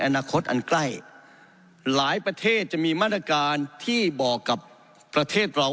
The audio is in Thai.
อนาคตอันใกล้หลายประเทศจะมีมาตรการที่บอกกับประเทศเรา